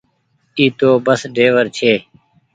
اي تو بس ڍيور ڇي۔